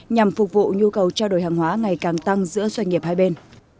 nhằm phục vụ nhu cầu trao đổi hàng hóa ngày càng tăng giữa doanh nghiệp hai bên